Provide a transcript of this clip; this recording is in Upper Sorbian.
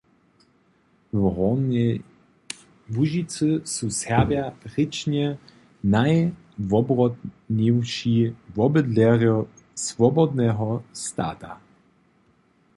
W Hornjej Łužicy su Serbja rěčnje najwobrotniwši wobydlerjo swobodneho stata.